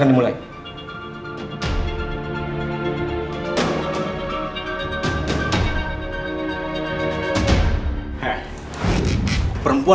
kita semua sya muda